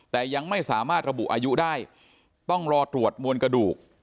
แต่ยังไม่สามารถระบุอายุได้ต้องรอตรวจมวลกระดูก